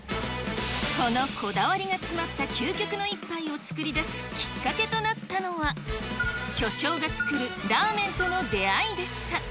このこだわりが詰まった究極の一杯を作り出すきっかけとなったのは、巨匠が作るラーメンとの出会いでした。